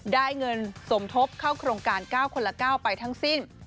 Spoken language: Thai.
ได้เงินสมทบเข้าโครงการ๙คนละ๙ไปทั้งสิ้น